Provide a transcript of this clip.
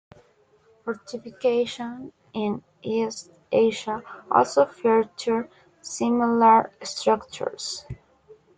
Fortifications in East Asia also featured similar structures.